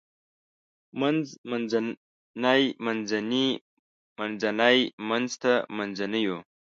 منځ منځنۍ منځني منځتی منځته منځنيو